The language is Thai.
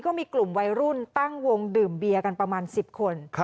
ก็มีกลุ่มวัยรุ่นตั้งวงดื่มเบียร์กันประมาณ๑๐คน